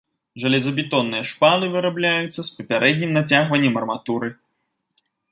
Жалезабетонныя шпалы вырабляюцца з папярэднім нацягваннем арматуры.